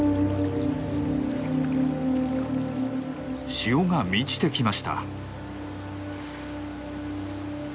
潮が満ちてきました。